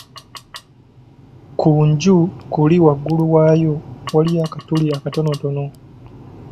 Ku nju kuli waggulu waayo waliyo akatuli katonotono.